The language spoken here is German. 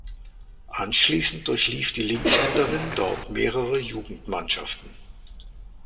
Anschließend durchlief die Linkshänderin dort mehrere Jugendmannschaften.